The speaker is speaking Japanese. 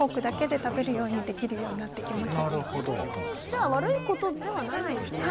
じゃあ悪いことではないんですね。